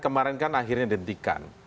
kemarin kan akhirnya dihentikan